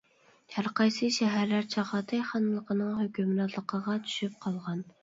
ھەر قايسى شەھەرلەر چاغاتاي خانلىقىنىڭ ھۆكۈمرانلىقىغا چۈشۈپ قالغان.